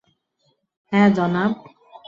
হ্যা, জনাব।